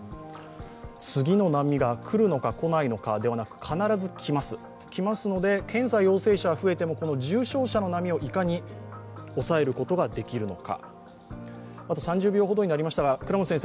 次の波が来るのか来ないのかではなくかならず来ます、来ますので、陽性者が増えてもこの重症者の波を、いかに抑えることができるのか。